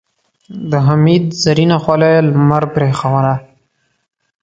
د حميد زرينه خولۍ لمر برېښوله.